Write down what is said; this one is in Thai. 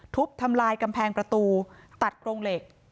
ทุบทำลายกำแพงประตูตัดโครงเหล็ก